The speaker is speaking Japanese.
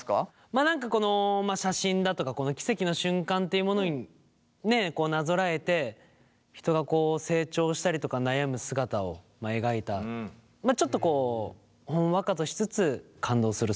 まあ何かこの写真だとかこのキセキの瞬間っていうものになぞらえて人が成長したりとか悩む姿を描いたちょっとほんわかとしつつ感動する